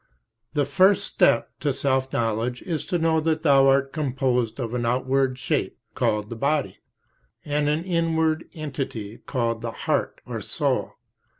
{p. 21} The first step to self knowledge is to know that thou art composed of an outward shape, called the body, and an inward entity called the heart, or soul.